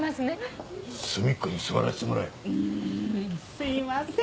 すいません。